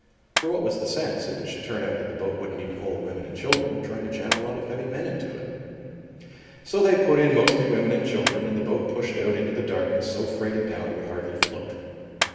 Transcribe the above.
For what was the sense, if it should turn out that the boat wouldn't even hold women and children, of trying to jam a lot of heavy men into it? So they put in mostly women and children and the boat pushed out into the darkness so freighted down it would hardly float.